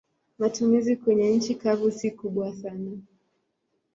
Matumizi kwenye nchi kavu si kubwa sana.